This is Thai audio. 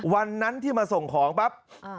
วันนั้นที่มาส่งของปั๊บ